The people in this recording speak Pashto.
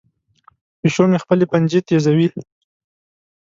پیشو مې خپلې پنجې تیزوي.